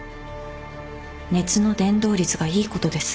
熱の伝導率がいいことです。